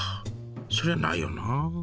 そりゃないよな。